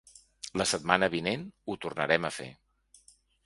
La setmana vinent ho tornarem a fer.